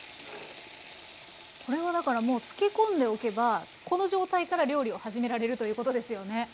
これはだからもう漬け込んでおけばこの状態から料理を始められるということですよね。